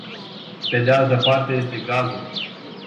Pe de altă parte este gazul.